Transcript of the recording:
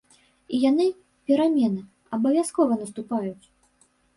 І яны, перамены, абавязкова наступаюць.